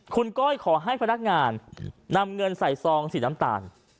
คุณก้อยขอให้พนักงานนำเงินใส่ซองสีน้ำตาล